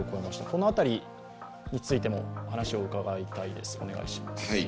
この辺りについても話しを伺いたいです。